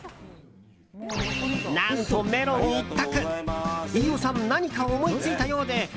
何とメロン一択！